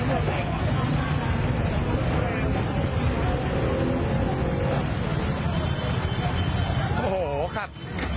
โอ้โหขัด